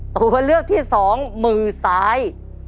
ตัวเลือกที่สองมือซ้าย